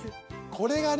これがね